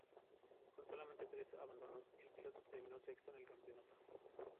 Con solamente tres abandonos, el piloto terminó sexto en el campeonato.